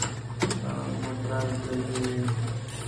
ته مقر تللی وې.